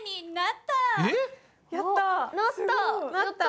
やった！